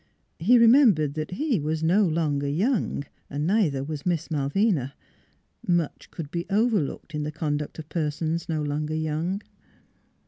He remembered that he was no longer young; neither was Miss Malvina. Much could be overlooked in the conduct of persons no longer young.